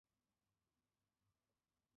该校为单科外国语大学。